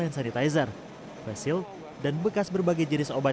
yang mendominasi apa pak limba